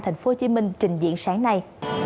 thành phố hồ chí minh trình diễn sáng nay